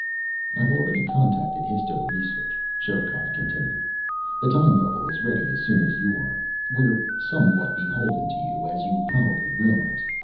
"I've already contacted histo research," Sherikov continued. "The time bubble is ready as soon as you are. We're somewhat beholden to you, as you probably realize.